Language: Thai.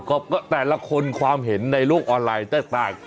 โอ้ก็แต่ละคนความเห็นในโลกออนไลน์แตกต่างกันออกไป